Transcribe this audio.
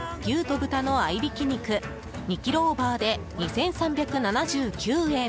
牛と豚の合いびき肉２ｋｇオーバーで、２３７９円。